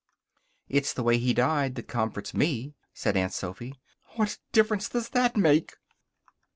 "It's the way he died that comforts me," said Aunt Sophy. "What difference does that make!"